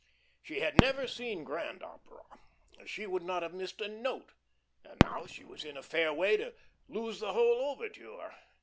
She had never seen Grand Opera, she would not have missed a note, and now she was in a fair way to lose the whole overture.